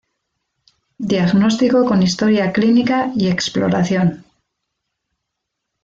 Diagnóstico con historia clínica y exploración.